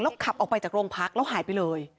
ขับออกไปจากโรงพักแล้วหายไปเลย